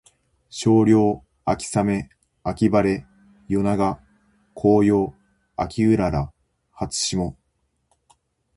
秋涼秋雨秋晴夜長紅葉秋麗初霜